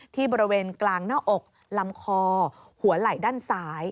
ที่บริเวณกลางหน้าอกลำคอหัวไหล่ด้านซ้าย